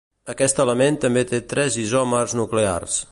Aquest element també té tres isòmers nuclears.